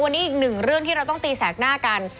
วันนี้อีกหนึ่งเรื่องที่เราต้องตีแสกหน้ากัน